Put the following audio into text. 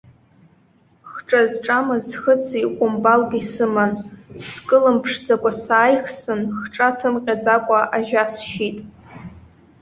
Хҿа зҿамыз хыци хәымпалки сыман, скылымԥшӡакәа сааихсын, хҿа ҭымҟьаӡакәа ажьа сшьит.